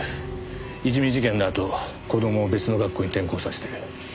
いじめ事件のあと子供を別の学校に転校させてる。